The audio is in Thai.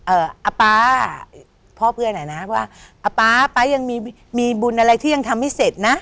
เอ่ออาป๊าพ่อเพื่อนหน่อยนะว่าอาป๊าอาป๊ายังมีบุญอะไรที่ยังทำไม่เสร็จนะ